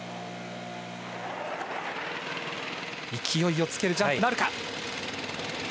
勢いをつけるジャンプなるか。